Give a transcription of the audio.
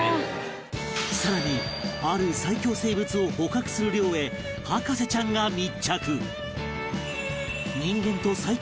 更にある最恐生物を捕獲する漁へ博士ちゃんが密着